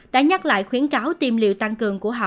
đã nhắc lại khuyến cáo tiêm liệu tăng cường